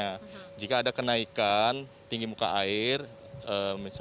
nah jika ada kenaikan tinggi muka air